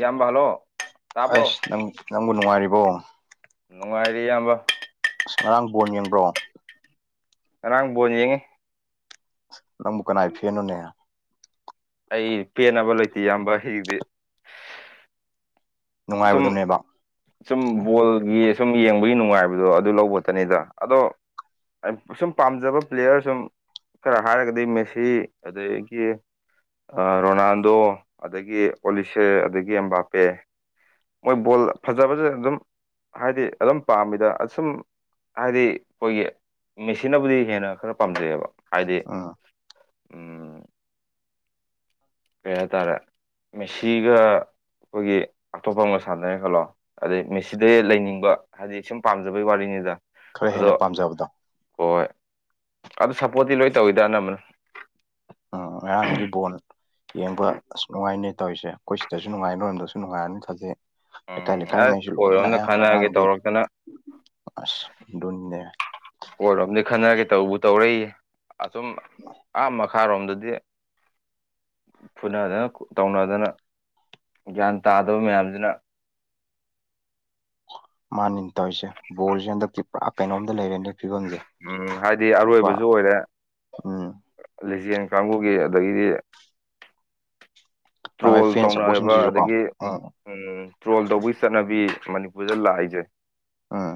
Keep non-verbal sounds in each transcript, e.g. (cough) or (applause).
ꯌꯥꯝꯕ ꯍꯂꯣ ꯍꯩꯁ ꯅꯪ ꯅꯪꯕꯨ ꯅꯨꯡꯉꯥꯏꯔꯤꯕꯣ ꯅꯨꯡꯉꯥꯏꯔꯤ ꯏꯌꯥꯝꯕ ꯑꯁ ꯉꯔꯥꯡ ꯕꯣꯟ ꯌꯦꯡꯕ꯭ꯔꯣ ꯉꯔꯥꯡ ꯕꯣꯟ ꯌꯦꯡꯉꯤ ꯅꯪꯕꯨ ꯀꯅꯥꯏ ꯐꯦꯟꯅꯣꯅꯦ ꯑꯩ ꯄꯦꯅꯕ ꯂꯩꯇꯦ ꯏꯌꯥꯝꯕ ꯍꯤꯗꯤ ꯁꯨꯝ ꯅꯨꯡꯉꯥꯏꯕꯗꯨꯅꯦꯕ ꯁꯨꯝ ꯕꯣꯜꯒꯤꯁ ꯁꯨꯝ ꯌꯦꯡꯕꯒꯤ ꯅꯨꯡꯉꯥꯏꯕꯗꯣ ꯑꯗꯨ ꯂꯧꯕ ꯈꯇꯅꯦꯗ ꯑꯗꯣ ꯑꯁ ꯁꯨꯝ ꯄꯥꯝꯖꯕ ꯄ꯭ꯂꯦꯌꯔ ꯁꯨꯝ ꯈꯔ ꯍꯥꯏꯔꯒꯗꯤ ꯃꯦꯁꯤ ꯑꯗꯒꯤ ꯑꯥ ꯔꯣꯅꯥꯜꯗꯣ ꯑꯗꯒꯤ ꯑꯣꯂꯤꯁꯦ ꯑꯗꯒꯤ ꯑꯝꯕꯥꯄꯦ ꯃꯣꯏ ꯕꯣꯜ ꯐꯖ ꯐꯖꯅ ꯑꯗꯨꯝ ꯍꯥꯏꯗꯤ ꯑꯗꯨꯝ ꯄꯥꯝꯃꯤꯗ ꯑꯁꯨꯝ ꯍꯥꯏꯗꯤ ꯑꯩꯈꯣꯏꯒꯤ ꯃꯦꯁꯤꯅꯕꯨꯗꯤ ꯍꯦꯟꯅ ꯈꯔ ꯄꯥꯝꯖꯩꯕ ꯍꯥꯏꯗꯤ ꯎꯝ ꯎꯝ ꯀꯩ ꯍꯥꯏꯇꯥꯔꯦ ꯃꯦꯁꯤꯒ ꯑꯩꯈꯣꯏꯒꯤ ꯑꯇꯣꯞꯄ ꯑꯃꯒ ꯁꯥꯟꯅꯔꯦ ꯈꯜꯂꯣ ꯑꯗꯩ ꯃꯦꯁꯤꯗꯩ ꯂꯩꯅꯤꯡꯕ ꯍꯥꯏꯗꯤ ꯁꯨꯝ ꯄꯥꯝꯖꯕꯩ ꯋꯥꯔꯤꯅꯤꯗ ꯈꯔ ꯍꯦꯟꯅ ꯑꯗꯣ ꯄꯥꯝꯖꯕꯗꯣ ꯍꯣꯏ ꯑꯗꯨ ꯁꯞꯄꯣꯔꯠꯇꯤ ꯂꯣꯏ ꯇꯧꯋꯤꯗ ꯑꯅꯝꯕꯅ ꯑꯥ ꯉꯔꯥꯡꯗꯤ ꯕꯣꯜ ꯌꯦꯡꯕ ꯑꯁ ꯅꯨꯡꯉꯥꯏꯅꯦ ꯇꯧꯔꯤꯁꯦ ꯑꯩꯈꯣꯏ ꯁꯤꯗꯁꯨ ꯅꯨꯡꯉꯥꯏ ꯅꯣꯏꯔꯣꯝꯗꯁꯨ ꯅꯨꯡꯉꯥꯏꯔꯝꯅꯤ ꯊꯥꯖꯩ ꯂꯩꯀꯥꯏ ꯎꯝ ꯑꯁ ꯂꯩꯀꯥꯏꯉꯩꯁꯨ ꯂꯣꯏꯅ ꯑꯩꯈꯣꯏꯔꯣꯝꯗ ꯑꯌꯥꯝꯕ ꯈꯟꯅꯔꯒꯦ ꯉꯔꯥꯡꯗꯤ ꯇꯧꯔꯛꯇꯅ ꯑꯁ ꯑꯗꯨꯅꯤꯅꯦ ꯑꯈꯣꯏꯔꯣꯝꯗꯒꯤ ꯈꯠꯅꯒꯦ ꯇꯧꯕꯨ ꯇꯧꯔꯦ ꯑꯁꯣꯝ ꯑꯥ ꯃꯈꯥꯔꯣꯝꯗꯗꯤ ꯐꯨꯅꯗꯅ ꯇꯧꯅꯗꯅ ꯒ꯭ꯌꯥꯟ ꯇꯥꯗꯕ ꯃꯌꯥꯝꯁꯤꯅ ꯃꯥꯅꯤꯅꯦ ꯇꯧꯔꯤꯁꯦ ꯕꯣꯜꯁꯦ ꯍꯟꯗꯛꯇꯤ ꯄꯨꯔꯥ ꯀꯩꯅꯣꯝꯗ ꯂꯩꯔꯦꯅꯦ ꯐꯤꯕꯝꯁꯦ ꯎꯝ ꯍꯥꯏꯗꯤ ꯀꯣ ꯑꯔꯣꯏꯕꯁꯨ ꯑꯣꯏꯔꯦ ꯎꯝ ꯌꯦꯟ ꯀꯥꯡꯕꯨꯒꯤ ꯑꯗꯒꯤꯗꯤ ꯃꯥꯏ ꯃꯥꯏ ꯇ꯭ꯔꯣꯜ ꯐꯦꯟ ꯇꯧꯅꯕ ꯁꯞꯄꯣꯔꯠꯁꯤꯡꯁꯤꯁꯨꯀꯣ ꯑꯗꯒꯤ ꯎꯝ ꯇ꯭ꯔꯣꯜ ꯇꯧꯕꯒꯤ ꯆꯠꯅꯕꯤ ꯃꯅꯤꯄꯨꯔꯗ ꯂꯥꯛꯏꯁꯦ ꯑꯥ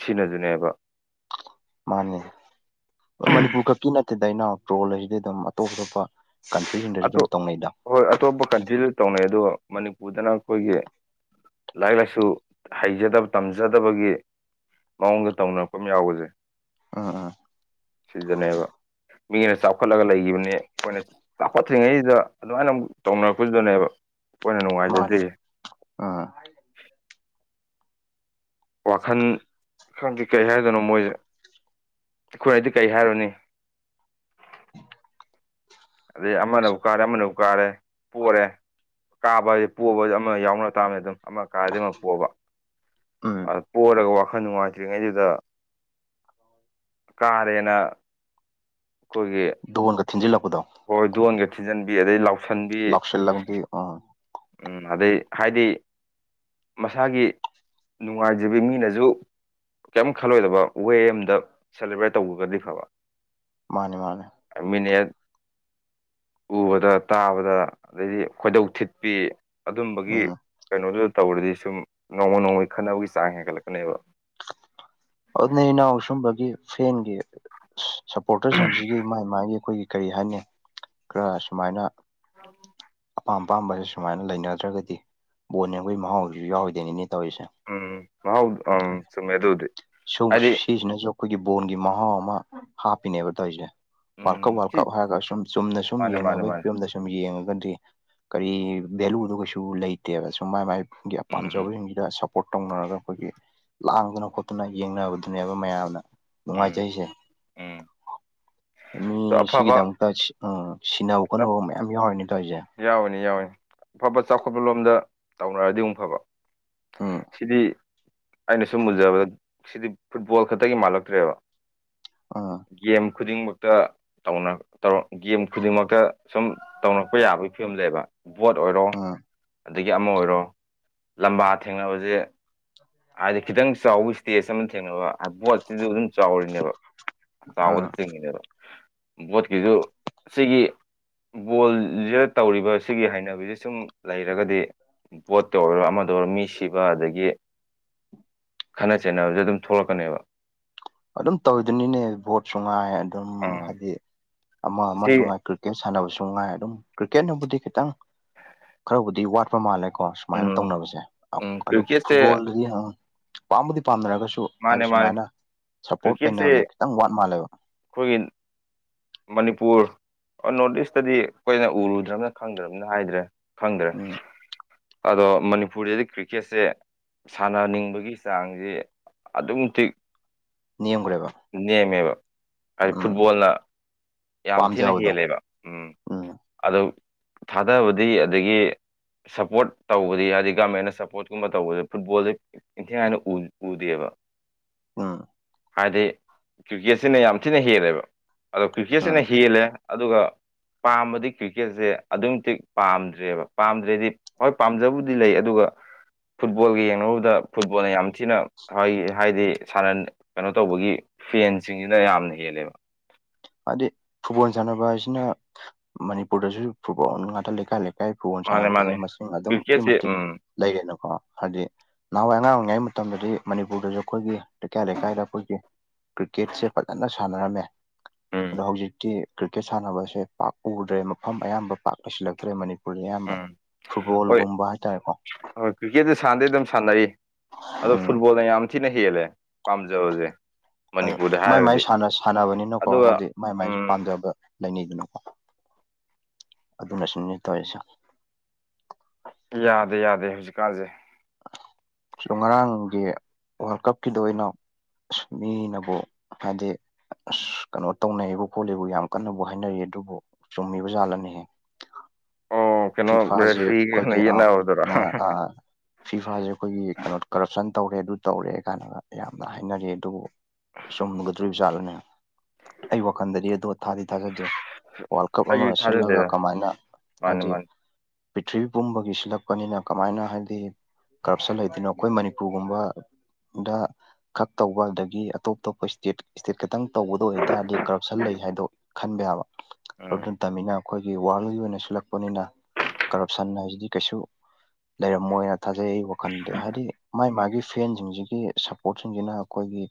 ꯁꯤꯅꯁꯨꯅꯦꯕ ꯃꯥꯅꯦ ꯃꯅꯤꯄꯨꯔ ꯈꯛꯀꯤ ꯅꯠꯇꯦꯗ ꯏꯅꯥꯎ ꯇ꯭ꯔꯣꯜ ꯍꯥꯏꯁꯤꯗꯤ ꯑꯗꯨꯝ ꯑꯇꯣꯞ ꯑꯇꯣꯞꯄ ꯀꯟꯇ꯭ꯔꯤꯁꯤꯡꯗꯁꯨ ꯑꯗꯣ ꯑꯗꯨꯝ ꯇꯧꯅꯩꯗ ꯍꯣꯏ ꯑꯇꯣꯞꯄ ꯀꯟꯇ꯭ꯔꯤꯗ ꯇꯧꯅꯩ ꯑꯗꯣ ꯃꯅꯤꯄꯨꯔꯗꯅ ꯑꯩꯈꯣꯏꯒꯤ ꯂꯥꯏꯔꯤꯛ ꯂꯥꯏꯁꯨ ꯍꯩꯖꯗꯕ ꯇꯝꯖꯗꯕꯒꯤ ꯃꯑꯣꯡꯗ ꯇꯧꯅꯔꯛꯄ ꯑꯃ ꯌꯥꯎꯕꯁꯦ ꯑꯥ ꯑꯥ ꯁꯤꯗꯅꯦꯕ ꯃꯤꯅ ꯆꯥꯎꯈꯠꯂꯒ ꯂꯩꯈꯤꯕꯅꯦ ꯑꯩꯈꯣꯏꯅ ꯆꯥꯎꯈꯠꯇ꯭ꯔꯤꯉꯩꯁꯤꯗ ꯑꯗꯨꯃꯥꯏꯅ ꯑꯃꯨꯛ ꯇꯧꯅꯔꯛꯄꯁꯤꯗꯅꯦꯕ ꯑꯩꯈꯣꯏꯅ ꯃꯥꯅꯤ ꯅꯨꯡꯉꯥꯏꯖꯗ꯭ꯔꯤꯁꯦ (inaudible) ꯎꯝ ꯋꯥꯈꯟ ꯈꯪꯗꯦ ꯀꯔꯤ ꯍꯥꯏꯗꯣꯏꯅꯣ ꯃꯣꯏꯁꯦ ꯑꯩꯈꯣꯏꯅꯗꯤ ꯀꯩ ꯍꯥꯏꯔꯨꯅꯤ (inaudible) ꯑꯗꯩ ꯑꯃꯅꯕꯨ ꯀꯥꯔꯦ ꯑꯃꯅꯕꯨ ꯀꯥꯔꯦ ꯄꯣꯔꯦ ꯀꯥꯕ ꯍꯥꯏꯕ ꯄꯣꯕ ꯑꯃ ꯌꯥꯎꯅ ꯇꯥꯕꯅꯤ ꯑꯗꯨꯝ ꯑꯃ ꯀꯥꯔꯗꯤ ꯑꯃ ꯄꯣꯕ ꯎꯝ ꯑ ꯄꯣꯔꯒ ꯋꯥꯈꯜ ꯅꯨꯡꯉꯥꯏꯇ꯭ꯔꯤꯉꯩꯗꯨꯗ ꯀꯥꯔꯦꯅ ꯑꯩꯈꯣꯏꯒꯤ ꯙꯣꯟꯒ ꯊꯤꯟꯖꯤꯜꯂꯛꯄꯗꯣ ꯍꯣꯏ ꯗꯣꯟꯒ ꯊꯤꯟꯖꯤꯟꯕꯤ ꯑꯗꯩ ꯂꯥꯎ ꯂꯥꯎꯁꯜꯂꯝꯕꯤ ꯎꯝ ꯎꯝ ꯑꯗꯩ ꯍꯥꯏꯗꯤ ꯃꯁꯥꯒꯤ ꯅꯨꯡꯉꯥꯏꯖꯕꯤ ꯃꯤꯅꯁꯨ ꯀꯦꯝ ꯈꯜꯂꯣꯏꯗꯕ ꯋꯦ ꯑꯝꯗ ꯁꯦꯂꯦꯕ꯭ꯔꯦꯠ ꯇꯧꯒ꯭ꯔꯒꯗꯤ ꯐꯕ ꯃꯥꯅꯦ ꯃꯥꯅꯦ ꯃꯤꯅꯤꯠ ꯎꯕꯗ ꯇꯥꯕꯗ ꯑꯗꯩꯗꯤ ꯈꯣꯏꯗꯧ ꯊꯤꯠꯄꯤ ꯑꯗꯨꯝꯕꯒꯤ ꯎꯝ ꯀꯩꯅꯣꯗꯨꯗ ꯇꯧꯔꯗꯤ ꯁꯨꯝ ꯅꯣꯡꯃ ꯅꯣꯡꯃꯒꯤ ꯈꯠꯅꯕꯒꯤ ꯆꯥꯡ ꯍꯦꯟꯒꯠꯂꯛꯀꯅꯦꯕ ꯑꯗꯨꯅꯦ ꯏꯅꯥꯎ ꯁꯨꯝꯕꯒꯤ ꯐꯦꯟꯒꯤ ꯁꯄꯣꯔꯇꯔꯁꯤꯡꯁꯤꯒꯤ ꯃꯥꯒꯤ ꯃꯥꯒꯤ ꯑꯩꯈꯣꯏꯒꯤ ꯀꯔꯤ ꯍꯥꯏꯅꯤ ꯈꯔ ꯁꯨꯃꯥꯏꯅ ꯑꯄꯥꯝ ꯑꯄꯥꯝꯕꯁꯦ ꯁꯨꯃꯥꯏꯅ ꯂꯩꯅꯗ꯭ꯔꯒꯗꯤ ꯕꯣꯟ ꯌꯦꯡꯕꯒꯤ ꯃꯍꯥꯎꯗꯨꯁꯨ ꯌꯥꯎꯔꯣꯏꯗꯣꯏꯅꯤꯅꯦ ꯇꯧꯔꯤꯁꯦ ꯎꯝ ꯃꯥꯍꯥꯎ ꯑ ꯆꯨꯝꯃꯦ ꯑꯗꯨꯕꯨꯗꯤ ꯁꯧ ꯍꯥꯏꯗꯤ ꯁꯤꯖꯤꯅꯖꯨ ꯑꯩꯈꯣꯏꯒꯤ ꯕꯣꯜꯒꯤ ꯃꯍꯥꯎ ꯑꯃ ꯍꯥꯞꯄꯤꯅꯦꯕ ꯇꯧꯔꯤꯖꯦ ꯋꯥꯔꯜ ꯀꯞ ꯎꯝ ꯋꯥꯔꯜ ꯁꯤ ꯀꯞ ꯍꯥꯏꯔꯒ ꯁꯨꯝ ꯆꯨꯝꯅ ꯁꯨꯝ ꯃꯥꯅꯦ ꯃꯥꯅꯦ ꯌꯦꯡꯅꯕꯒꯤ ꯃꯥꯅꯦ ꯐꯤꯕꯝꯗ ꯁꯨꯝ ꯌꯦꯡꯉꯒ ꯀꯔꯤ ꯚꯦꯂꯨꯗꯣ ꯀꯩꯁꯨ ꯂꯩꯇꯦꯕ ꯁꯨꯝ ꯃꯥꯏ ꯃꯥꯏꯒꯤ ꯎꯝ ꯎꯝ ꯄꯥꯝꯖꯕꯖꯤꯡꯁꯤꯗ ꯁꯞ ꯄꯣꯔꯠ ꯇꯧꯅꯔꯒ ꯑꯩꯈꯣꯏꯒꯤ ꯂꯥꯡꯗꯅ ꯈꯣꯠꯇꯅ ꯌꯦꯡꯅꯕꯗꯨꯅꯦꯕ ꯃꯌꯥꯝꯅ ꯎꯝ ꯅꯨꯡꯉꯥꯏꯖꯩꯁꯖꯦ ꯎꯝ ꯃꯤ ꯑꯗꯣ ꯑꯐꯕ ꯁꯤꯒꯤꯗꯃꯛꯇ ꯁꯤ ꯑ ꯁꯤꯅꯕ ꯈꯣꯠꯅꯕ ꯃꯌꯥꯝ ꯌꯥꯎꯔꯤꯅꯦ ꯇꯧꯔꯤꯖꯦ ꯌꯥꯎꯋꯤꯅꯦ ꯌꯥꯎꯋꯤꯅꯦ ꯑꯐꯕ ꯆꯥꯎꯈꯠꯄ ꯂꯣꯝꯗ ꯇꯧꯅꯔꯗꯤ ꯑꯃꯨꯛ ꯐꯕ ꯎꯝ ꯁꯤꯗꯤ ꯑꯩꯅ ꯁꯨꯝ ꯎꯖꯕꯗ ꯁꯤꯗꯤ ꯐꯨꯠꯕꯣꯜ ꯈꯛꯇꯒꯤ ꯃꯥꯜꯂꯛꯇ꯭ꯔꯦꯕ ꯎꯝ ꯒꯦꯝ ꯈꯨꯗꯤꯡꯃꯛꯇ ꯇꯧꯅ ꯇꯧꯔꯛ ꯒꯦꯝ ꯈꯨꯗꯤꯡꯃꯛꯇ ꯁꯨꯝ ꯇꯧꯅ ꯔꯛꯄ ꯌꯥꯕꯒꯤ ꯐꯤꯕꯝꯅꯦꯕ ꯕꯣꯠ ꯑꯣꯏꯔꯣ ꯎꯝ ꯑꯗꯒꯤ ꯑꯃ ꯑꯣꯏꯔꯣ ꯂꯝꯕꯥ ꯊꯦꯡꯅꯕꯖꯦ ꯍꯥꯏꯗꯤ ꯈꯤꯇꯪ ꯆꯥꯎꯕ ꯏꯁꯇꯦꯖ ꯑꯃꯗ ꯊꯦꯡꯅꯕ ꯚꯣꯠꯁꯤꯖꯨ ꯑꯗꯨꯝ ꯆꯥꯎꯔꯤꯅꯦꯕ ꯎꯝ ꯆꯥꯎꯕꯗ ꯆꯤꯡꯉꯤꯅꯦꯕ ꯕꯣꯠꯀꯤꯖꯨ ꯁꯤꯒꯤ ꯕꯣꯜ (unintelligible) ꯇꯧꯔꯤꯕ ꯁꯤꯒꯤ ꯍꯩꯅꯕꯤꯁꯤ ꯁꯨꯝ ꯂꯩꯔꯒꯗꯤ ꯚꯣꯠ ꯇꯧꯔꯒ ꯑꯃꯗ ꯑꯣꯏꯔꯣ ꯃꯤ ꯁꯤꯕ ꯑꯗꯒꯤ ꯈꯠꯅ ꯆꯩꯅꯕꯖꯦ ꯑꯗꯨꯝ ꯊꯣꯛꯂꯛꯀꯅꯦꯕ ꯑꯗꯨꯝ ꯇꯧꯏꯗꯨꯅꯤꯅꯦ ꯚꯣꯠꯁꯨꯉꯥꯢ ꯑꯗꯨꯝ ꯎꯝ ꯍꯥꯏꯗꯤ ꯑꯃ ꯁꯤ ꯑꯃꯖꯨ ꯉꯥꯏ ꯀ꯭ꯔꯤꯀꯦꯠ ꯁꯥꯟꯅꯕꯁꯨ ꯅꯨꯡꯉꯥꯏ ꯑꯗꯨꯝ ꯀ꯭ꯔꯤꯀꯦꯠꯅꯕꯨꯗꯤ ꯈꯤꯇꯪ ꯈꯔꯕꯨꯗꯤ ꯋꯥꯠꯄ ꯃꯥꯜꯂꯦ ꯀꯣ ꯁꯨꯃꯥꯏꯅ ꯎꯝ ꯇꯧꯅꯕꯁꯦ ꯑ ꯎꯝ ꯑꯗꯨ ꯀ꯭ꯔꯤꯛꯀꯦꯠꯁꯦ ꯐꯨꯠꯕꯣꯜꯗꯗꯤ (unintelligible) ꯄꯥꯝꯕꯨꯗꯤ ꯄꯥꯝꯅꯔꯒ ꯁꯨ ꯍꯥꯏꯗꯤ ꯃꯥꯅꯦ ꯃꯥꯅꯦ ꯁꯨꯃꯥꯏꯅ ꯁꯞꯄꯣꯔꯠ ꯀ꯭ꯔꯤꯛꯀꯦꯠꯁꯦ ꯂꯩꯅꯕꯖꯦ ꯈꯤꯇꯪ ꯋꯥꯠ ꯃꯥꯜꯂꯦꯕ ꯑꯩꯈꯣꯏꯒꯤ ꯃꯅꯤꯄꯨꯔ ꯑ ꯅꯣꯔꯠ ꯏꯁꯇꯗꯤ ꯑꯩꯈꯣꯏꯅ ꯎꯔꯨꯗ꯭ꯔꯕꯅꯤꯅ ꯈꯪꯗ꯭ꯔꯕꯅꯤꯅ ꯍꯥꯏꯗ꯭ꯔꯦ ꯈꯪꯗ꯭ꯔꯦ ꯎꯝ ꯑꯗꯣ ꯃꯅꯤꯄꯨꯔꯗꯗꯤ ꯀ꯭ꯔꯤꯀꯦꯠꯁꯦ ꯁꯥꯟꯅꯅꯤꯡꯕꯒꯤ ꯆꯥꯡꯖꯦ ꯑꯗꯨꯛꯀꯤ ꯃꯇꯤꯛ ꯅꯦꯝꯈ꯭ꯔꯦꯕ ꯅꯦꯝꯃꯦꯕ ꯍꯥꯏꯗꯤ ꯎꯝ ꯐꯨꯠꯕꯣꯜꯅ ꯌꯥꯝ ꯊꯤꯅ ꯄꯥꯝꯖꯕꯗꯣ ꯍꯦꯜꯂꯦꯕ ꯎꯝ ꯑꯗꯣ ꯊꯥꯗꯕꯗꯤ ꯑꯗꯒꯤ ꯁꯞꯄꯣꯔꯠ ꯇꯧꯕꯗꯤ ꯍꯥꯏꯗꯤ ꯒꯃꯦꯟꯅ ꯁꯞꯄꯣꯔꯠꯀꯨꯝꯕ ꯇꯧꯕꯗꯤ ꯐꯨꯠꯕꯣꯜꯗꯤ ꯏꯟꯊꯤꯅꯤꯉꯥꯏꯅ ꯎ ꯎꯗꯦꯕ ꯑꯝ ꯍꯥꯏꯗꯤ ꯀ꯭ꯔꯤꯛꯀꯦꯠꯁꯤꯅ ꯌꯥꯝ ꯊꯤꯅ ꯍꯦꯜꯂꯦꯕ ꯑꯗꯣ ꯎꯝ ꯀ꯭ꯔꯤꯛꯀꯦꯠꯁꯤꯅ ꯍꯦꯜꯂꯦ ꯑꯗꯨꯒ ꯄꯥꯝꯕꯗꯤ ꯀ꯭ꯔꯤꯀꯦꯠꯁꯦ ꯑꯗꯨꯛꯀꯤ ꯃꯇꯤꯛ ꯄꯥꯝꯗ꯭ꯔꯦꯕ ꯄꯥꯝꯗ꯭ꯔꯦꯗꯤ ꯍꯣꯏ ꯄꯥꯝꯖꯕꯨꯗꯤ ꯂꯩ ꯑꯗꯨꯒ ꯐꯨꯠꯕꯣꯜꯒ ꯌꯦꯡꯅꯔꯨꯕꯗ ꯐꯨꯠꯕꯣꯜꯅ ꯌꯥꯝ ꯊꯤꯅ ꯍꯥꯏ ꯍꯥꯏꯗꯤ ꯁꯥꯟꯅ ꯀꯩꯅꯣ ꯇꯧꯕꯒꯤ ꯐꯦꯟꯁꯤꯡꯖꯤꯅ ꯌꯥꯝꯅ ꯍꯦꯜꯂꯦꯕ ꯍꯥꯏꯗꯤ ꯐꯨꯠꯕꯣꯜ ꯁꯥꯟꯅꯕ ꯍꯥꯏꯁꯤꯅ ꯃꯅꯤꯄꯨꯔꯗꯁꯨ ꯐꯨꯠꯕꯣꯜ ꯉꯥꯛꯇ ꯂꯩꯀꯥꯏ ꯂꯩ ꯀꯥꯏ ꯐꯨꯠꯕꯣꯜ ꯃꯥꯅꯦ ꯃꯥꯅꯦ ꯁꯥꯟꯅꯕꯁꯤꯅ ꯃꯁꯤꯡ ꯑꯗꯨꯛꯀꯤ ꯀ꯭ꯔꯤꯛꯀꯦꯠꯁꯦ ꯃꯇꯤꯛ ꯎꯝ ꯂꯩꯔꯦꯅꯀꯣ ꯍꯥꯏꯗꯤ ꯅꯍꯥꯟꯋꯥꯏ ꯑꯉꯥꯡ ꯑꯣꯏꯔꯤꯉꯩ ꯃꯇꯝꯗꯗꯤ ꯃꯅꯤꯄꯨꯔꯗꯖꯨ ꯑꯩꯈꯣꯏꯒꯤ ꯂꯩꯀꯥꯏ ꯂꯩꯀꯥꯏꯗ ꯑꯩꯈꯣꯏꯒꯤ ꯀ꯭ꯔꯤꯛꯀꯦꯠꯁꯦ ꯐꯖꯅ ꯁꯥꯟꯅꯔꯝꯃꯦ ꯎꯝ ꯑꯗꯣ ꯍꯧꯖꯤꯛꯇꯤ ꯀ꯭ꯔꯤꯀꯦꯠ ꯁꯥꯟꯅꯕꯁꯦ ꯄꯥꯛ ꯎꯗ꯭ꯔꯦ ꯃꯐꯝ ꯑꯌꯥꯝꯕ ꯄꯥꯛ ꯂꯩꯁꯤꯜꯂꯛꯇ꯭ꯔꯦ ꯃꯅꯤꯄꯨꯔ ꯎꯝ ꯍꯣꯏ ꯍꯥꯏꯇꯥꯔꯦꯀꯣ ꯍꯣꯏ ꯀ꯭ꯔꯤꯛꯀꯦꯠꯁꯦ ꯁꯥꯟꯗꯤ ꯑꯗꯨꯝ ꯁꯥꯟꯅꯩ ꯑꯗꯣ ꯎꯝ ꯐꯨꯠꯕꯣꯜ ꯌꯥꯝ ꯊꯤꯅ ꯍꯦꯜꯂꯦ ꯄꯥꯝꯖꯕꯁꯦ ꯃꯅꯤꯄꯨꯔꯗ ꯃꯥꯏ ꯃꯥꯏ ꯍꯥꯏꯔꯒꯗꯤ ꯁꯥꯟꯅꯕꯅꯤꯅꯀꯣ ꯑꯗꯨꯒ ꯍꯥꯏꯗꯤ ꯃꯥꯏ ꯃꯥꯏꯁꯨ ꯎꯝ ꯄꯥꯝꯖꯕ ꯂꯩꯅꯩꯗꯅꯀꯣ ꯑꯗꯨꯅꯁꯨꯅꯦ ꯇꯧꯔꯤꯁꯦ ꯌꯥꯗꯦ ꯌꯥꯗꯦ ꯍꯧꯖꯤꯛꯀꯥꯟꯁꯦ ꯉꯔꯥꯡꯒꯤ ꯋꯥꯔꯜ ꯀꯞꯀꯤꯗ ꯑꯣꯏꯅ ꯑ ꯃꯤꯅꯕꯨ ꯍꯥꯏꯗꯤ ꯑꯁ ꯀꯩꯅꯣ ꯇꯧꯅꯩꯕ ꯈꯣꯠꯂꯤꯕ ꯌꯥꯝ ꯀꯟꯅꯕꯨ ꯍꯥꯏꯅꯔꯤꯌꯦ ꯑꯗꯨꯕꯨ ꯆꯨꯝꯃꯤꯕ ꯖꯥꯠꯂꯅꯦꯍꯦ ꯑꯣ ꯀꯩꯅꯣ ꯐꯤꯐꯥꯥꯁꯦ ꯔꯦꯐ꯭ꯔꯤꯒ ꯀꯩꯅꯣ ꯑꯩꯈꯣꯏꯒꯤ ꯑ ꯌꯦꯠꯅꯕꯗꯨꯔꯣ ꯐꯤꯐꯁꯦ ꯑꯩꯈꯣꯏꯒꯤ ꯀꯩꯅꯣ ꯀꯔꯞꯁꯟ ꯇꯧꯔꯦ ꯑꯗꯨ ꯇꯧꯔꯦ ꯀꯥꯏꯅꯒ ꯌꯥꯝꯅ ꯍꯥꯏꯅꯔꯤꯗꯨ ꯆꯨꯝꯒꯗꯣꯔꯤꯕ ꯖꯥꯠꯂꯅꯦ ꯑꯩ ꯋꯥꯈꯜꯗꯗꯤ ꯗꯣ ꯊꯥꯗꯤ ꯊꯥꯖꯗꯦ꯫ ꯋꯥꯔꯜ ꯀꯞ ꯑꯩꯁꯨ ꯑꯃ ꯁꯤꯜꯂꯒ ꯊꯥꯖꯗꯦꯗ ꯀꯃꯥꯏꯅ ꯃꯥꯅꯤ ꯍꯥꯏꯗꯤ ꯃꯥꯅꯤ ꯄ꯭ꯔꯤꯊꯤꯕꯤ ꯄꯨꯝꯕꯒꯤ ꯁꯤꯜꯂꯛꯄꯅꯤꯅ ꯀꯃꯥꯏꯅ ꯍꯥꯏꯗꯤ ꯀꯔ꯭ꯞꯁꯟꯗ ꯂꯩꯗꯣꯏꯅꯣ ꯑꯩꯈꯣꯏ ꯃꯅꯤꯄꯨꯔꯒꯨꯝꯕ ꯗ ꯈꯛ ꯇꯧꯕ ꯑꯗꯒꯤ ꯑꯇꯣꯞ ꯑꯇꯣꯞꯄ ꯁ꯭ꯇꯦꯠ ꯁ꯭ꯇꯦꯠ ꯈꯇꯪ ꯇꯧꯕꯗ ꯑꯣꯏꯕꯇꯥꯔꯗꯤ ꯀꯔ꯭ꯞꯁꯟꯗ ꯂꯩ꯫ ꯍꯥꯏꯗꯣ ꯈꯟꯕ ꯌꯥꯕ ꯑꯗꯨ ꯎꯝ ꯅꯠꯇꯝꯅꯤꯅ ꯑꯩꯈꯣꯏꯒꯤ ꯋꯥꯔꯜꯒꯤ ꯑꯣꯏꯅ ꯁꯤꯜꯂꯛꯄꯅꯤꯅ ꯀꯔ꯭ꯞꯁꯟ ꯍꯥꯏꯁꯤꯗꯤ ꯀꯩꯁꯨ ꯂꯩꯔꯝꯃꯣꯏꯅ꯫ ꯊꯥꯖꯩ ꯑꯩ ꯋꯥꯈꯜꯗꯤ ꯍꯥꯏꯗꯤ ꯃꯥꯥꯏ ꯃꯥꯒꯤ ꯐ꯭ꯔꯦꯟꯁꯤꯡꯁꯤꯒꯤ ꯁꯞꯄ꯭ꯔꯣꯠꯁꯤꯡꯁꯤꯅ ꯑꯩꯈꯣꯏꯒꯤ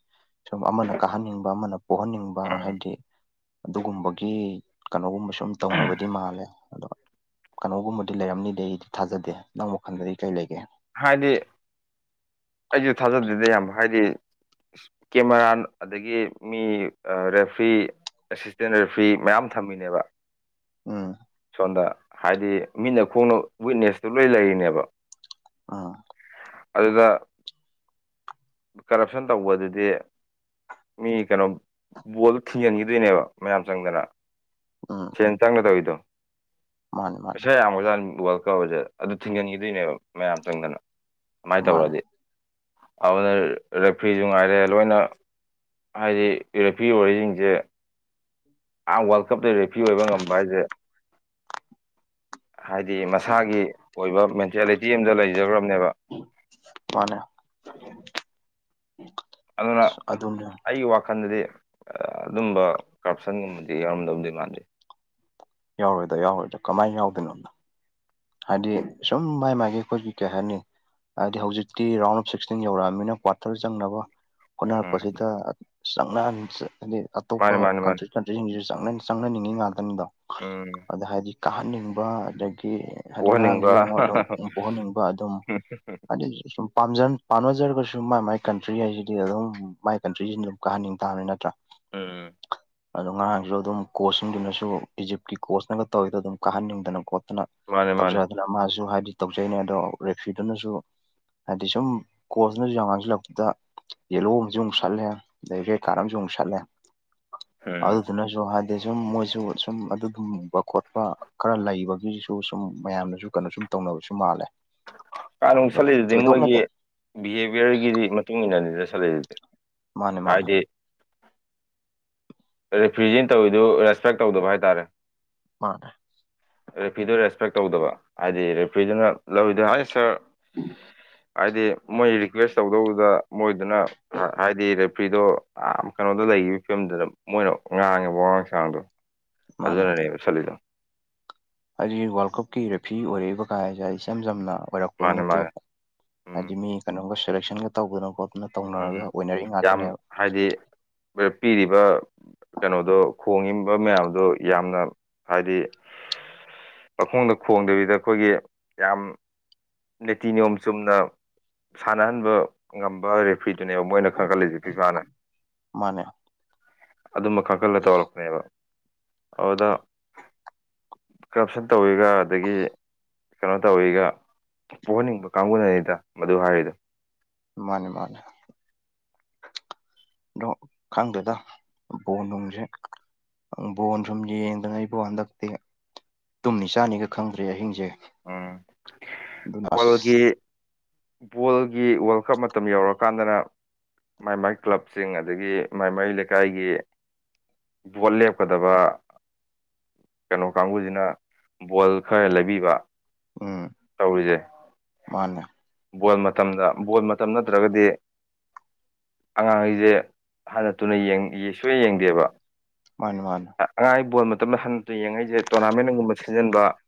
ꯁꯨꯝ ꯑꯃꯅ ꯀꯥꯍꯟꯅꯤꯡꯕ ꯑꯃꯅ ꯄꯣꯍꯟꯅꯤꯡꯕ ꯎꯝ ꯍꯥꯏꯗꯤ ꯑꯗꯨꯒꯨꯝꯕꯒꯤ ꯀꯩꯅꯣꯒꯨꯝꯕꯁꯨ ꯑꯗꯨꯝ ꯇꯧꯅꯕꯗꯤ ꯃꯥꯜꯂꯦ ꯑꯗꯣ ꯀꯩꯅꯣꯒꯨꯝꯕꯗꯤ ꯂꯩꯔꯝꯅꯤꯗꯤ ꯑꯩꯗꯤ ꯊꯥꯖꯗꯦ ꯅꯪ ꯋꯥꯈꯜꯗꯗꯤ ꯀꯩ ꯂꯩꯒꯦ ꯍꯥꯏꯗꯤ ꯑꯩꯁꯨ ꯊꯥꯖꯗꯦꯗ ꯌꯥꯝ ꯍꯥꯏꯗꯤ ꯀꯦꯃꯦꯔꯥ ꯑꯗꯒꯤ ꯃꯤ ꯔꯦꯐ꯭ꯔꯤ ꯑꯦꯁꯤꯁꯇꯦꯟ ꯔꯦꯐ꯭ꯔꯤ ꯃꯌꯥꯝ ꯊꯝꯃꯤꯅꯦꯕ ꯎꯝ ꯍꯥꯏꯗꯤ ꯃꯤꯠꯅ ꯈꯣꯡꯅ ꯋꯤꯛꯅꯦꯁꯇꯨ ꯂꯣꯏ ꯂꯩꯔꯤꯅꯦꯕ ꯑꯥ ꯑꯗꯨꯗ ꯀꯔ꯭ꯞꯁꯟꯗ ꯇꯧꯕꯗꯨꯗꯤ ꯃꯤ ꯀꯩꯅꯣ ꯕꯣꯜꯗꯨ ꯊꯤꯡꯖꯤꯟꯈꯤꯗꯣꯏꯅꯦꯕ ꯃꯌꯥꯝ ꯆꯪꯗꯅ ꯎꯝ ꯁꯦꯟ ꯆꯪꯅ ꯇꯧꯔꯤꯗꯣ ꯃꯥꯅꯦ ꯃꯥꯅꯦ ꯄꯩꯁꯥ ꯌꯥꯝꯈ꯭ꯔꯖꯥꯠꯅꯤ꯫ ꯋ꯭ꯔꯥꯜ ꯀꯞ ꯍꯥꯏꯕꯁꯦ ꯑꯗꯨ ꯊꯤꯡꯖꯤꯟꯈꯤꯗꯣꯏꯅꯦꯕ ꯃꯌꯥꯝ ꯆꯪꯗꯅ ꯁꯨꯃꯥꯏꯅ ꯃꯥꯅꯦ ꯇꯧꯔꯗꯤ ꯑꯗꯨꯅ ꯔꯦꯐ꯭ꯔꯤꯁꯨ ꯉꯥꯏꯔꯦ ꯂꯣꯏꯅ ꯍꯥꯏꯗꯤ ꯔꯦꯐ꯭ꯔꯤ ꯑꯣꯏꯔꯤꯁꯤꯡꯁꯦ ꯑ ꯋꯥꯔꯜ ꯀꯞꯇ ꯔꯦꯐ꯭ꯔꯤ ꯑꯣꯏꯕ ꯉꯝꯕ ꯍꯥꯏꯁꯦ (inaudible) ꯍꯥꯏꯗꯤ ꯃꯁꯥꯒꯤ ꯑꯣꯏꯕ ꯃꯦꯟꯇꯦꯂꯤꯇꯤ ꯑꯝꯗ ꯂꯩꯖꯔꯨꯔꯕꯅꯤꯅ ꯃꯥꯅꯦ ꯑꯗꯨꯅ ꯑꯗꯨꯅꯦ ꯑꯩꯒꯤ ꯋꯥꯈꯜꯗꯗꯤ ꯑꯗꯨꯝꯕ ꯀꯔ꯭ꯞꯁꯟꯒꯨꯝꯕꯗꯤ ꯌꯥꯎꯔꯝꯗꯧꯗꯤ ꯃꯥꯟꯗꯦ꯫ ꯌꯥꯎꯔꯣꯏꯗ ꯌꯥꯎꯔꯣꯏꯗ ꯀꯃꯥꯏꯅ ꯌꯥꯎꯗꯣꯏꯅꯣ ꯍꯥꯏꯗꯤ ꯁꯨꯝ ꯃꯥꯏ ꯃꯥꯏ ꯑꯩꯈꯣꯏꯒꯤ ꯀꯩ ꯍꯥꯏꯅꯤ ꯍꯥꯏꯗꯤ ꯍꯧꯖꯤꯛꯇꯤ ꯔꯥꯎꯟ ꯑꯣꯐ ꯁꯤꯛꯁꯇꯤꯟ ꯌꯧꯔꯛꯑꯕꯅꯤꯅ ꯀ꯭ꯋꯥꯇꯔ ꯆꯪꯅꯕ ꯎꯝ ꯍꯣꯠꯅꯔꯛꯄꯁꯤꯗ ꯆꯪꯅꯍꯟ ꯍꯥꯏꯗꯤ ꯑꯇꯣꯞꯄ ꯃꯥꯅꯦ ꯃꯥꯅꯦ ꯃꯥꯅꯦ ꯀꯟꯇ꯭ꯔꯤ ꯀꯟꯇ꯭ꯔꯤꯁꯤꯡꯁꯤ ꯆꯪꯅꯅꯤꯡꯉꯤ ꯉꯥꯛꯇꯅꯤꯗꯣ ꯎꯝ ꯑꯗ ꯍꯥꯏꯗꯤ ꯀꯥꯍꯟꯅꯤꯡꯕ ꯑꯗꯒꯤ ꯍꯥꯏꯗꯤ ꯉꯔꯥꯡꯁꯨ ꯄꯣꯛꯍꯟꯅꯤꯡꯕ ꯌꯦꯡꯉꯣ ꯑꯗꯨꯝ ꯄꯣꯍꯟꯅꯤꯡꯕ ꯑꯗꯨꯝ ꯍꯥꯏꯗꯤ ꯁꯨꯝ ꯄꯥꯝꯖꯟ ꯄꯥꯝꯅꯖꯔꯒꯁꯨ ꯃꯥꯏ ꯃꯥꯏ ꯀꯟꯇ꯭ꯔꯤ ꯍꯥꯏꯁꯤꯗꯤ ꯑꯗꯨꯝ ꯃꯥꯏ ꯀꯟꯇ꯭ꯔꯤꯁꯤꯡꯗꯨ ꯑꯗꯨꯝ ꯀꯥꯍꯟꯅꯤꯡ ꯇꯥꯕꯅꯤ ꯅꯠꯇ꯭ꯔꯥ ꯎꯝ ꯑꯗꯣ ꯉꯔꯥꯡꯁꯨ ꯑꯗꯨꯝ ꯀꯣꯆꯁꯤꯡꯗꯨꯅꯁꯨ ꯏꯖꯤꯞꯀꯤ ꯀꯣꯆꯅꯒ ꯇꯧꯔꯤꯗꯣ ꯑꯗꯨꯝ ꯀꯥꯍꯟꯅꯤꯡꯗꯅ ꯀꯣ ꯅ ꯃꯥꯅꯦ ꯃꯥꯅꯦ ꯇꯧꯖꯔꯗꯅ ꯃꯥꯁꯨ ꯍꯥꯏꯗꯤ ꯇꯧꯖꯩꯅꯦ ꯑꯗꯣ ꯔꯦꯐ꯭ꯔꯤꯗꯨꯅꯁꯨ ꯍꯥꯏꯗꯤ ꯁꯨꯝ ꯀꯣꯆꯅꯁꯨ ꯌꯥꯝ ꯉꯥꯡꯁꯤꯜꯂꯛꯄꯗꯨꯗ ꯌꯦꯂꯣ ꯑꯃꯁꯨ ꯑꯃꯨꯛ ꯁꯠꯂꯦ ꯑꯗꯩꯗꯤ ꯔꯦꯗ ꯀꯥꯔꯠ ꯑꯃꯁꯨ ꯑꯃꯨꯛ ꯁꯠꯂꯦ ꯎꯝ ꯑꯗꯨꯗꯨꯅꯁꯨ ꯍꯥꯏꯗꯤ ꯑꯗꯩ ꯁꯨꯝ ꯃꯣꯏꯁꯨ ꯁꯨꯝ ꯑꯗꯨꯒꯨꯝꯕ ꯈꯣꯠꯄ ꯈꯔ ꯂꯩꯕꯒꯤꯁꯨ ꯎꯝ ꯃꯌꯥꯝꯅꯁꯨ ꯀꯩꯅꯣ ꯁꯨꯝ ꯇꯧꯅꯕꯁꯨ ꯃꯥꯜꯂꯦ ꯀꯥꯔꯗ ꯅꯣꯡ ꯑꯗꯣ ꯁꯠꯂꯤꯗꯨꯗꯤ ꯃꯣꯏꯒꯤ ꯊꯣꯏꯗꯣꯛꯅꯗꯦ ꯕꯤꯍꯦꯕꯤꯌꯔꯒꯤꯗꯤ ꯃꯇꯨꯡ ꯏꯟꯅꯅꯤꯗ ꯁꯠꯂꯤꯗꯨꯗꯤ ꯃꯥꯅꯦ ꯃꯥꯅꯦ ꯍꯥꯏꯗꯤ ꯔꯦꯐ꯭ꯔꯤꯌꯤ ꯇꯧꯋꯤꯗꯨ ꯔꯦꯁꯄꯦꯛ ꯇꯧꯗꯕ ꯍꯥꯏꯇꯥꯔꯦ ꯃꯥꯅꯦ ꯔꯦꯐ꯭ꯔꯤꯗꯨ ꯔꯦꯁꯄꯦꯛ ꯇꯧꯗꯕ ꯍꯥꯏꯗꯤ ꯔꯦꯐ꯭ꯔꯤꯗꯨꯅ ꯂꯧꯔꯤꯗꯨ ꯍꯥꯏ ꯁꯥꯔ ꯍꯥꯏꯗꯤ ꯃꯣꯏ ꯔꯤꯀ꯭ꯋꯦꯁ ꯇꯧꯗꯧꯗꯨꯗ ꯃꯣꯏꯗꯨꯅ ꯍꯥꯏꯗꯤ ꯔꯦꯐ꯭ꯔꯤꯗꯣ ꯑꯥ ꯀꯩꯅꯣꯗ ꯂꯩꯈꯤꯕ ꯐꯤꯕꯝꯗꯨꯗ ꯃꯣꯏꯅ ꯉꯥꯡꯉꯦꯕ ꯋꯥꯉꯥꯡ ꯁꯥꯉꯥꯡꯗꯣ ꯃꯥꯅꯦ ꯑꯗꯨꯅꯅꯦꯕ ꯁꯠꯂꯤꯗꯣ ꯍꯥꯏꯗꯤ ꯋꯥꯔꯜ ꯀꯞꯀꯤ ꯔꯦꯐ꯭ꯔꯤ ꯑꯣꯏꯔꯛꯏꯕ ꯀꯥꯏꯁꯦ ꯏꯆꯝ ꯆꯝꯅ ꯑꯣꯏꯔꯛꯄ ꯃꯥꯅꯦ ꯃꯥꯅꯦ ꯅꯠꯇꯦꯕ ꯎꯝ ꯍꯥꯏꯗꯤ ꯃꯤ ꯀꯩꯅꯣꯒ ꯁꯦꯂꯦꯛꯁꯟꯒ ꯇꯧꯗꯅ ꯈꯣꯠ ꯎꯝ ꯌꯥꯝ ꯍꯥꯏꯗꯤ ꯄꯤꯔꯤꯕ ꯀꯩꯅꯣꯗꯣ ꯈꯣꯡꯉꯤꯕ ꯃꯌꯥꯝꯗꯣ ꯌꯥꯝꯅ ꯍꯥꯏꯗꯤ ꯄꯈꯣꯡꯗ ꯈꯣꯡꯗꯕꯤꯗ ꯑꯩꯈꯣꯏꯒꯤ ꯌꯥꯝ ꯅꯤꯇꯤ ꯅꯤꯌꯣꯝ ꯆꯨꯝꯅ ꯁꯥꯟꯅꯍꯟꯕ ꯉꯝꯕ ꯔꯦꯐ꯭ꯔꯤꯗꯨꯅꯦꯕ ꯃꯣꯏꯅ ꯈꯪꯒꯠꯂꯤꯁꯤ ꯐꯤꯐꯥꯅ ꯃꯥꯅꯦ ꯑꯗꯨꯝꯕ ꯈꯪꯒꯠꯂ ꯇꯧꯔꯛꯄꯅꯦꯕ ꯑꯗꯨꯗ ꯀꯔꯞꯁꯟ ꯇꯧꯋꯤꯒ ꯑꯗꯒꯤ ꯀꯩꯅꯣ ꯇꯧꯋꯤꯒ ꯄꯣꯍꯟꯅꯤꯡꯕ ꯀꯥꯡꯕꯨꯅꯅꯤꯗ ꯃꯗꯨ ꯍꯥꯏꯔꯤꯗꯣ ꯃꯥꯅꯦ ꯃꯅꯦ ꯗꯣ ꯈꯪꯗꯦꯗ ꯕꯣꯟ ꯅꯨꯡꯁꯦ ꯪ ꯕꯣꯟ ꯁꯨꯝ ꯌꯦꯡꯗꯅ ꯏꯕꯣ ꯍꯟꯗꯛꯇꯤ ꯇꯨꯝꯅꯤ ꯆꯥꯅꯤꯒ ꯈꯪꯗ꯭ꯔꯦ ꯑꯍꯤꯡꯁꯦ ꯎꯝ ꯑꯗꯨꯅ ꯑꯁ ꯄꯜꯒꯤ ꯕꯣꯜꯒꯤ ꯋꯥꯔꯜ ꯀꯞ ꯃꯇꯝ ꯌꯧꯔꯀꯥꯟꯗꯅ ꯃꯥꯏ ꯃꯥꯏ ꯀ꯭ꯂꯕꯁꯤꯡ ꯑꯗꯒꯤ ꯃꯥꯏꯃꯥꯏ ꯂꯩꯀꯥꯏꯒꯤ ꯚꯣꯠ ꯂꯦꯞꯀꯗꯕ ꯀꯩꯅꯣ ꯀꯥꯡꯕꯨꯁꯤꯅ ꯕꯣꯜ ꯈꯔ ꯂꯩꯕꯤꯕ ꯎꯝ ꯇꯧꯔꯤꯁꯦ ꯃꯥꯅꯦ ꯕꯣꯜ ꯃꯇꯝꯗ ꯕꯣꯜ ꯃꯇꯝ ꯅꯠꯇ꯭ꯔꯒꯗꯤ ꯑꯉꯥꯡꯒꯩꯖꯦ ꯍꯟꯅ ꯇꯨꯅ ꯌꯦꯡꯗꯤꯌꯦ ꯁꯨꯌꯦꯡ ꯌꯦꯡꯗꯦꯕ ꯃꯥꯅꯦ ꯃꯥꯅꯦ ꯑꯉꯥꯡꯉꯩ ꯕꯣꯜ ꯃ ꯇꯝ ꯍꯟꯅ ꯇꯨꯅ ꯌꯦꯡꯉꯛꯏꯁꯦ ꯇꯣꯔꯅꯥꯃꯦꯟꯒꯨꯝꯕ ꯁꯤꯖꯤꯟꯕ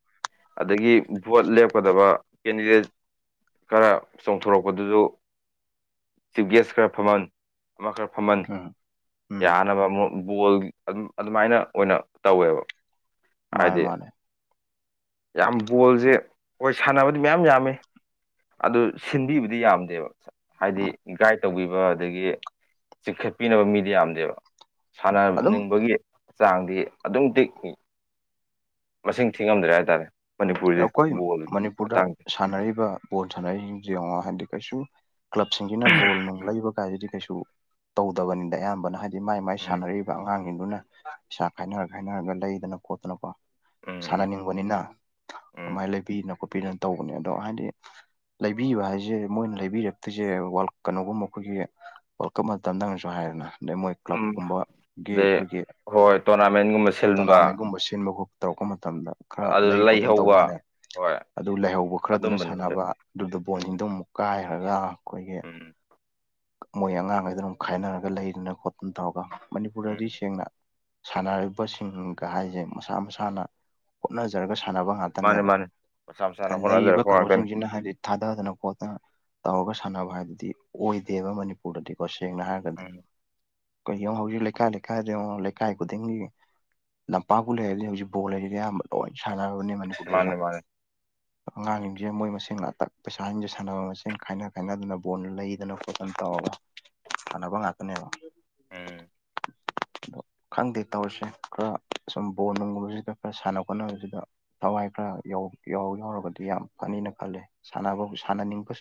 ꯑꯗꯒꯤ ꯚꯣꯠ ꯂꯦꯞꯀꯗꯕ ꯀꯦꯟꯗꯤꯗꯦꯠ ꯈꯔ ꯆꯣꯡꯊꯣꯔꯛꯄꯗꯨꯁꯨ ꯆꯤꯐ ꯒꯦꯁ ꯈꯔ ꯐꯝꯃꯟ ꯑꯃ ꯈꯔ ꯐꯝꯃꯟ ꯎꯝ ꯎꯝ ꯌꯥꯅꯕ ꯑꯃꯨꯛ ꯕꯣꯜꯒꯤ ꯑꯗꯨꯝ ꯑꯗꯨꯃꯥꯏꯅ ꯑꯣꯏꯅ ꯇꯧꯋꯦꯕ ꯃꯥꯅꯦ ꯍꯥꯏꯗꯤ ꯃꯥꯅꯦ ꯌꯥꯝ ꯕꯣꯜꯁꯦ ꯍꯣꯢ ꯁꯥꯟꯅꯕꯗꯤ ꯃꯌꯥꯝ ꯌꯥꯝꯃꯦ ꯑꯗꯨ ꯁꯤꯟꯕꯤꯕꯗꯤ ꯌꯥꯝꯗꯦꯕ ꯍꯥꯏꯗꯤ ꯒꯥꯏꯠ ꯇꯧꯕꯤꯕ ꯑꯗꯒꯤ ꯆꯤꯡꯈꯠꯄꯤꯅꯕ ꯃꯤꯗꯤ ꯌꯥꯝꯗꯦꯕ ꯑꯗꯨꯝ ꯁꯥꯟꯅꯅꯤꯡꯕꯒꯤ ꯆꯥꯡꯗꯤ ꯑꯗꯨꯝꯇꯤꯛ ꯃꯁꯤꯡ ꯊꯤꯉꯝꯗ꯭ꯔꯦ ꯍꯥꯏꯇꯥꯔꯦ ꯃꯅꯤꯄꯨꯔꯁꯦ ꯑꯩꯈꯣꯏ ꯕꯣꯜꯒꯤ ꯃꯅꯤꯄꯨꯔꯗ ꯃꯇꯥꯡꯁꯦ ꯁꯥꯟꯅꯔꯤꯕ ꯕꯣꯜ ꯁꯥꯟꯅꯔꯤꯁꯤꯡꯁꯦ ꯌꯦꯡꯉꯣ ꯍꯥꯏꯗꯤ ꯀꯩꯁꯨꯝ ꯀ꯭ꯂꯕꯁꯤꯡꯁꯤꯅ ꯕꯣꯜ ꯅꯨꯡ ꯂꯩꯕ ꯀꯥꯏꯁꯤꯗꯤ ꯀꯩꯁꯨ ꯇꯧꯗꯕꯅꯤꯗ ꯑꯌꯥꯝꯕꯅ ꯍꯥꯏ ꯃꯥꯏ ꯃꯥꯏ ꯎꯝ ꯁꯥꯟꯅꯔꯤꯕ ꯑꯉꯥꯡꯁꯤꯡꯗꯨꯅ ꯄꯩꯁꯥ ꯈꯥꯏꯅꯔ ꯈꯥꯏꯅꯔꯒ ꯂꯩꯗꯅ ꯈꯣꯠꯇꯅꯀꯣ ꯎꯝ ꯎꯝ ꯁꯥꯟꯅꯅꯤꯡꯕꯅꯤꯅ ꯎꯝ ꯑꯗꯨꯃꯥꯏꯅ ꯂꯩꯕꯤꯗꯅ ꯈꯣꯠꯄꯤꯗꯅ ꯇꯧꯕꯅꯦ ꯑꯗꯣ ꯍꯥꯏꯗꯤ ꯂꯩꯕꯤꯕ ꯍꯥꯏꯁꯦ ꯃꯣꯏꯅ ꯂꯩꯕꯤꯔꯛꯇ꯭ꯔꯤꯁꯦ ꯋꯥꯜ ꯀꯩꯅꯣꯒꯨꯝꯕ ꯑꯈꯣꯏꯒꯤ ꯋꯥꯔꯜ ꯀꯞ ꯃꯇꯝꯗ ꯅꯪꯅꯁꯨ ꯍꯥꯏꯔꯦꯅ ꯑꯗꯩ ꯃꯣꯏ ꯀ꯭ꯂꯕ ꯎꯝ ꯀꯨꯝꯕꯒꯤ ꯑꯗꯩ ꯑꯈꯣꯏꯒꯤ ꯍꯣꯏ ꯇꯣꯔꯅꯥꯃꯦꯟꯒꯨꯝꯕ ꯁꯤꯟꯕ ꯇꯣꯔꯅꯥꯃꯦꯟꯒꯨꯝꯕ ꯁꯤꯟꯕ ꯈꯣ ꯇꯧꯔꯛꯄ ꯃꯇꯝꯗ ꯈꯔ ꯑꯗꯨꯗ ꯂꯩ ꯈꯣꯠꯇꯟ ꯂꯩꯍꯧꯕ ꯇꯧꯋꯥꯅꯦ ꯍꯣꯏ ꯑꯗꯨ ꯂꯩꯥꯏꯍꯧꯕ ꯈꯔꯗꯨꯅ ꯑꯗꯨꯝꯕꯅꯤꯗ ꯁꯥꯟꯅꯕ ꯑꯗꯨꯗ ꯕꯣꯟ ꯎꯝ ꯁꯤꯡꯗꯨ ꯑꯃꯨꯛ ꯀꯥꯏꯒ꯭ꯔꯒ ꯑꯈꯣꯏꯒꯤ ꯎꯝ (inaudible) ꯃꯣꯏ ꯑꯉꯥꯡꯒꯩꯗꯨꯅ ꯃꯨꯛ ꯈꯥꯏꯅꯔꯒ ꯂꯩꯗꯅ ꯈꯣꯠꯇꯅ ꯇꯧꯔꯒ ꯎꯝ ꯃꯅꯤꯄꯨꯔꯗꯗꯤ ꯁꯦꯡꯅ ꯁꯥꯟꯅꯔꯤꯕꯁꯤꯡꯒ ꯍꯥꯏꯁꯦ ꯃꯁꯥ ꯃꯁꯥꯅ ꯍꯣꯠꯅꯖꯔꯒ ꯁꯥꯟꯅꯕ ꯃꯥꯅꯦ ꯉꯥꯛꯇꯅꯦꯕ ꯃꯥꯅꯦ ꯃꯁꯥ ꯃꯁꯥꯅ ꯂꯩꯔꯤꯕ ꯍꯣꯠꯅꯖꯔꯛꯄ ꯉꯥꯛꯇꯅꯤ ꯀꯅꯣꯁꯤꯡꯁꯤꯅ ꯍꯥꯏꯗꯤ ꯊꯥꯗꯗꯅ ꯈꯣꯠꯇꯅ ꯇꯧꯔꯒ ꯁꯥꯟꯅꯕ ꯍꯥꯏꯕꯗꯤ ꯑꯣꯏꯗꯦꯕ ꯃꯅꯤꯄꯨꯔꯗꯗꯤ ꯕ꯭ꯁ ꯁꯦꯡꯅ ꯍꯥꯏꯔꯒꯗꯤ ꯎꯝ (unintelligible) ꯂꯩꯀꯥꯏ ꯂꯩꯀꯥꯏꯗ ꯌꯦꯡꯉꯣ ꯂꯩꯀꯥꯏ ꯈꯨꯗꯤꯡꯒꯤ ꯂꯝꯄꯥꯛꯄꯨ ꯂꯩꯔꯗꯤ ꯍꯧꯖꯤꯛ ꯕꯣꯜ ꯍꯥꯏꯁꯤꯗꯤ ꯑꯌꯥꯝꯕ ꯂꯣꯏ ꯁꯥꯟꯅꯕꯅꯦ ꯃꯅꯤꯄꯨꯔꯗꯁꯨ ꯃꯥꯅꯦ ꯃꯥꯅꯦ ꯑꯉꯥꯡꯁꯤꯡꯁꯦ ꯃꯣꯏ ꯃꯁꯦꯟ ꯉꯥꯛꯇ ꯄꯩꯁꯥꯁꯤꯡꯁꯦ ꯁꯥꯟꯅꯕ ꯃꯁꯦꯟ ꯈꯥꯏꯅ ꯈꯥꯏꯅꯗꯅ ꯕꯣꯟ ꯂꯩꯗꯅ ꯈꯣꯠꯇꯅ ꯇꯧꯔꯒ ꯁꯥꯟꯅꯕ ꯉꯥꯛꯇꯅꯦꯕ ꯎꯝ ꯑꯗꯣ ꯈꯪꯗꯦ ꯇꯧꯔꯤꯁꯦ ꯈꯔ ꯁꯨꯝ ꯕꯣꯟ ꯅꯨꯡꯒꯨꯝꯕꯁꯤꯗ ꯈꯔ ꯁꯥꯟꯅ ꯈꯣꯠꯅꯕꯁ ꯗ ꯊꯋꯥꯏ ꯈꯔ ꯌꯥꯎ ꯌꯥꯎ ꯌꯥꯎꯔꯒꯗꯤ ꯌꯥꯝ ꯐꯅꯤꯅ ꯈꯜꯂꯦ ꯁꯥꯟꯅꯕꯕꯨ ꯁꯥꯟꯅꯅꯤꯡꯕ